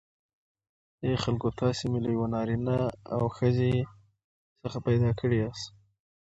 ای خلکو تاسی می له یوه نارینه او ښځی څخه پیداکړی یاست